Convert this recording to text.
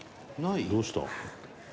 「どうした？」